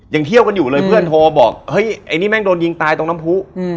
ยังเที่ยวกันอยู่เลยเพื่อนโทรบอกเฮ้ยไอ้นี่แม่งโดนยิงตายตรงน้ำผู้